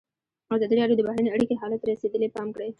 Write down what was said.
ازادي راډیو د بهرنۍ اړیکې حالت ته رسېدلي پام کړی.